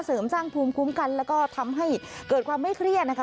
เสริมสร้างภูมิคุ้มกันแล้วก็ทำให้เกิดความไม่เครียดนะคะ